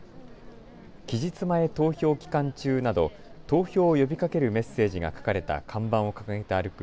期日前投票期間中など投票を呼びかけるメッセージが書かれた看板を掲げて歩く